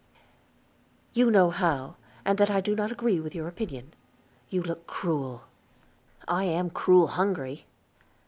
"You know how, and that I do not agree with your opinion. You look cruel." "I am cruel hungry."